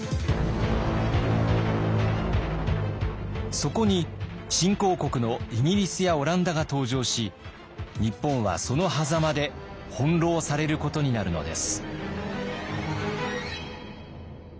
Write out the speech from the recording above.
そこに新興国のイギリスやオランダが登場し日本はそのはざまで翻弄されることになるのです。